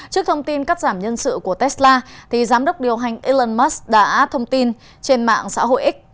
trước thông tin cắt giảm nhân sự của tesla giám đốc điều hành elon musk đã thông tin trên mạng xã hội x